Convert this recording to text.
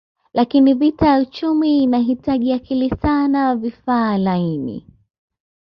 Lakini vita ya uchumi inahitaji akili sana vifaa laini